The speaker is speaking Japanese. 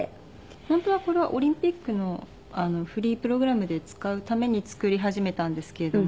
本当はこれはオリンピックのフリープログラムで使うために作り始めたんですけれども。